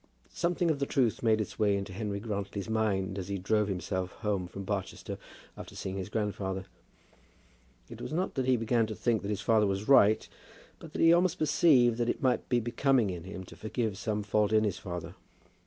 Something of the truth made its way into Henry Grantly's mind as he drove himself home from Barchester after seeing his grandfather. It was not that he began to think that his father was right, but that he almost perceived that it might be becoming in him to forgive some fault in his father.